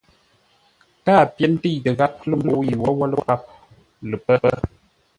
Káa pyér təitə gháp lə̂ mbə̂u yi wǒwó lə́ páp lə pə́.